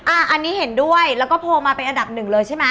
อันนี้เห็นด้วยแล้วก็โพลมาเป็นอันดับหนึ่งเลยใช่ไหม